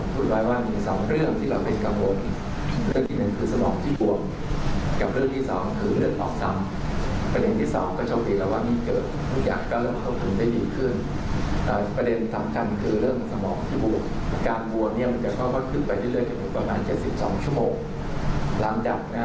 ทุกวันที่เกิดเหตุการณ์คือหยุดหยุดกรรมและเริ่มตกลง